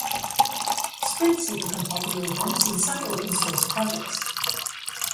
Sprints have become popular events in some open-source projects.